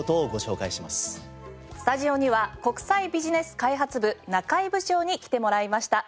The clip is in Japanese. スタジオには国際ビジネス開発部中井部長に来てもらいました。